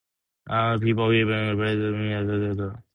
The people even praise me as the doctor's wife.